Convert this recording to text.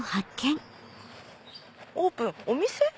オープンお店？